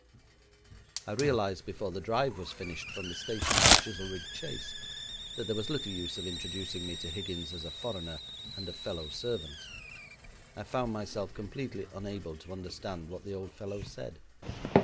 I realised before the drive was finished from the station to Chizelrigg Chase that there was little use of introducing me to Higgins as a foreigner and a fellow servant. I found myself completely unable to understand what the old fellow said.